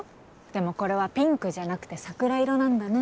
でもこれはピンクじゃなくて桜色なんだな。